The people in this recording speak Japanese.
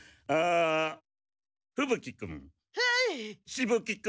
しぶ鬼君。